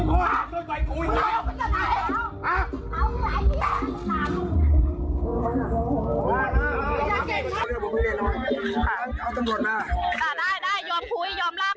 จ้ะหนูรักไม่ได้จริงจ้ะหนูรักไม่ได้จริงจ้ะ